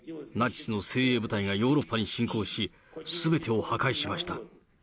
ナチスの精鋭部隊がヨーロッパに侵攻し、すべてを破壊しました。